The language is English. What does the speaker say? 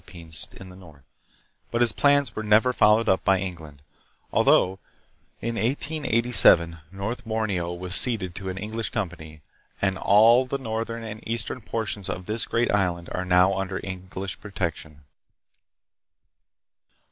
273 pines in the north; but his plans were never followed up by England, although in 1887 North Borneo was ceded to an English company, and all the northern and eastern portions of this great island are now under English pro tection.